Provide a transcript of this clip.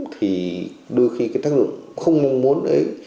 thì đôi khi cái tác dụng không mong muốn đấy